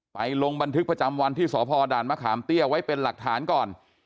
ลงบันทึกประจำวันที่สพด่านมะขามเตี้ยไว้เป็นหลักฐานก่อน